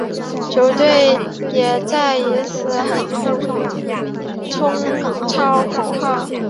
球队也再一次喊出了冲超口号。